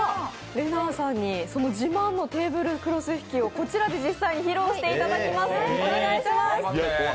れなぁさんに自慢のテーブルクロス引きをこちらで実際に披露していただきます。